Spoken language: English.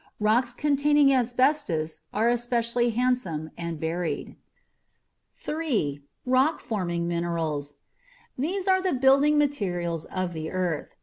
Rocks containing asbestos are especially handsome and varied. 3. ROCK FORMING MINERALS. These are the building materials of the earth.